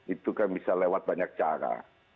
itu kan bisa lewat banyak cara